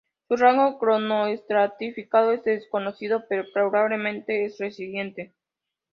Su rango cronoestratigráfico es desconocido, pero probablemente es Reciente.